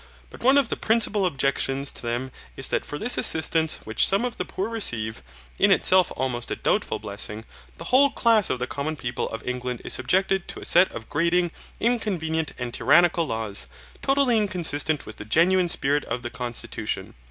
But one of the principal objections to them is that for this assistance which some of the poor receive, in itself almost a doubtful blessing, the whole class of the common people of England is subjected to a set of grating, inconvenient, and tyrannical laws, totally inconsistent with the genuine spirit of the constitution.